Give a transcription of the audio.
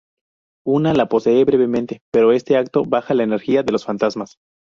Uno la posee brevemente, pero este acto baja la energía de los fantasmas.